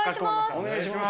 お願いします。